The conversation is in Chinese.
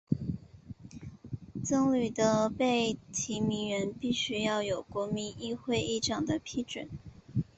僧侣的被提名人必须要有国民议会议长的批准。